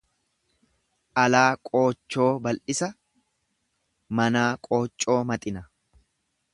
Alaa qoochoo bal'isa manaa qooccoo maxina.